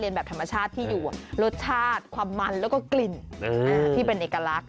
แบบธรรมชาติที่อยู่รสชาติความมันแล้วก็กลิ่นที่เป็นเอกลักษณ